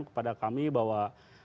kepada kami bahwa